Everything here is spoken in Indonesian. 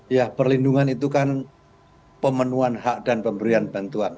ya perlindungan itu kan pemenuhan hak dan pemberian bantuan